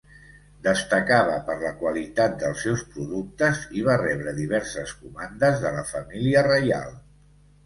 Destacava per la qualitat dels seus productes i va rebre diverses comandes de la família reial.